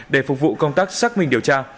để phục vụ công tác xác minh điều tra